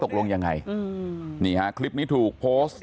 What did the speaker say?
ตกลงยังไงคลิปนี้ถูกโพสต์